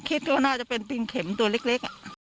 ถ้าให้คิดก็น่าจะเป็นติ้งเข็มตัวเล็ก